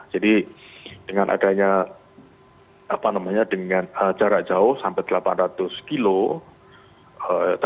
jadi dengan adanya apa namanya dengan jarak jauh sampai delapan ratus kilometer